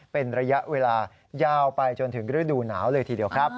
เป็นระยะเวลายาวไปจนถึงฤดูหนาวเลยทีเดียวครับ